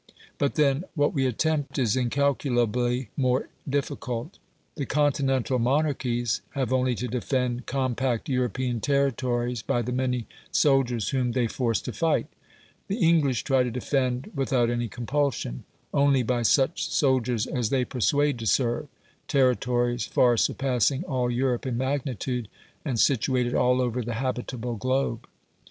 But, then, what we attempt is incalculably more difficult. The continental monarchies have only to defend compact European territories by the many soldiers whom they force to fight; the English try to defend without any compulsion only by such soldiers as they persuade to serve territories far surpassing all Europe in magnitude, and situated all over the habitable globe.